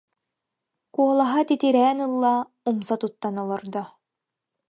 куолаһа титирээн ылла, умса туттан олордо